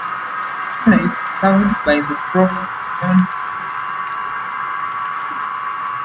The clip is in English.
Encino is served by the Brooks County Independent School District.